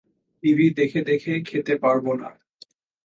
TV দেখে দেখে খেতে পারব না?